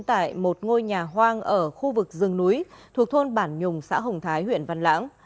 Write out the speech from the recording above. tại một ngôi nhà hoang ở khu vực rừng núi thuộc thôn bản nhùng xã hồng thái huyện văn lãng